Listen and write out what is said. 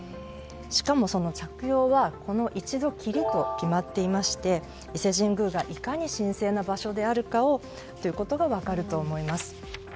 しかも、着用はこの一度きりと決まっていまして伊勢神宮がいかに神聖な場所であるかが分かると思います。